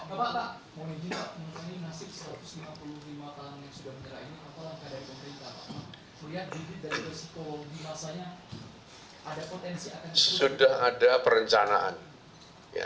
pak pak pak mohon izin pak mengenai nasib satu ratus lima puluh lima tahun yang sudah menyerah ini apa langkah dari pemerintah pak